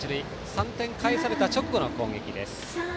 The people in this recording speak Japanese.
３点返された直後の攻撃です。